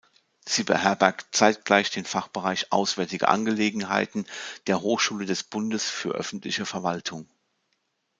Sie beherbergt zeitgleich den Fachbereich „Auswärtige Angelegenheiten“ der Hochschule des Bundes für öffentliche Verwaltung.